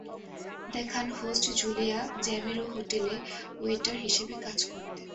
দেখান host Julia Zemiro হোটেলে waiter হিসেবে কাজ করতেন।